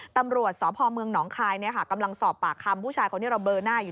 ตำรวจสพเมืองหนองคายกำลังสอบปากคำผู้ชายคนที่เราเลอหน้าอยู่